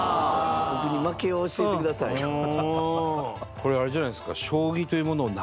これあれじゃないですか？